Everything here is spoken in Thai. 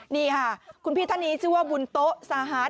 นี่ค่ะคุณพี่ท่านนี้ชื่อว่าบุญโต๊ะสาฮาร์ด